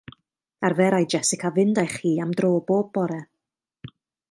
Arferai Jessica fynd â'i chi am dro bob bore.